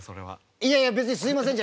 いやいや別に「すいません」じゃない。